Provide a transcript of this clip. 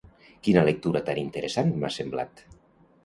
Quina lectura tan interessant m'ha semblat!